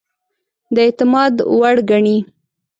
د اعتماد وړ ګڼي.